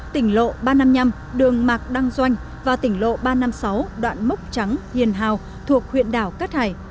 tỉnh lộ ba trăm năm mươi năm đường mạc đăng doanh và tỉnh lộ ba trăm năm mươi sáu đoạn mốc trắng hiền hào thuộc huyện đảo cát hải